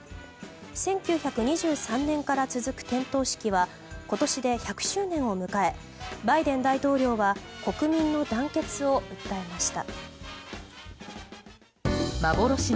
１９２３年から続く点灯式は今年で１００周年を迎えバイデン大統領は国民の団結を訴えました。